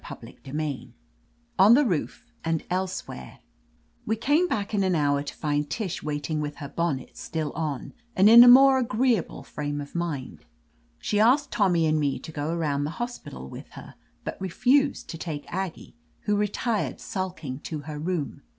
CHAPTER XVII ON THE ROOF AND ELSEWHERE WE came back in an hour to find Tish waiting with her bonnet still on, and in a more agreeable frame of mind. She asked Tommy and me to go around the hospital with her, but refused to take Aggie, who retired sulking to her room.